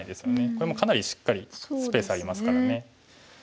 これもかなりしっかりスペースありますからね。